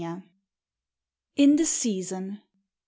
209 IN THE SEASON.